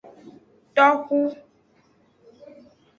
Toxu.